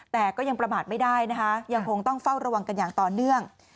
แต่ก็ยังประมาทไม่ได้นะคะยังคงต้องเฝ้าระวังกันอย่างต่อเนื่อง